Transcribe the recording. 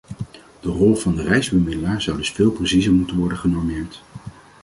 De rol van de reisbemiddelaar zou dus veel preciezer moeten worden genormeerd.